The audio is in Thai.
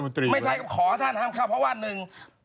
ไม่ใช่ก็ขอท่านห้ามเข้าเพราะว่าหนึ่ง